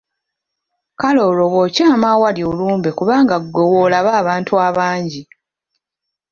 Kale olwo bw’okyama awali olumbe kubanga ggwe w’olaba abantu abangi?